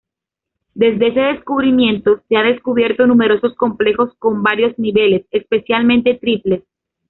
Desde ese descubrimiento, se han descubierto numerosos complejos con varios niveles, especialmente triples.